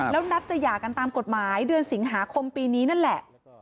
แล้วนัดจะหย่ากันตามกฎหมายเดือนสิงหาคมปีนี้นั่นแหละ